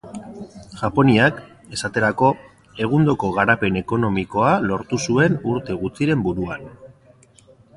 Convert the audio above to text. Japoniak, esaterako, egundoko garapen ekonomikoa lortu zuen urte gutxiren buruan.